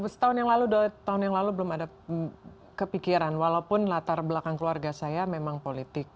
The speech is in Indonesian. setahun yang lalu dua tahun yang lalu belum ada kepikiran walaupun latar belakang keluarga saya memang politik